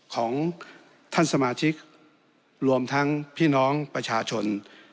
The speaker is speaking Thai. ของท่านสมาชิกรวมทั้งพี่น้องประชาชน